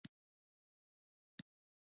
کورنۍ اوس کم ماشومان لري.